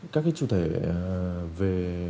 các cái chủ thể về